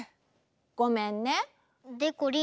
ごめんね。でこりん